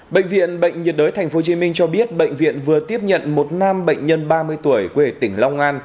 bệnh viện bệnh nhiệt đới tp hcm cho biết bệnh viện vừa tiếp nhận một nam bệnh nhân ba mươi tuổi quê tỉnh long an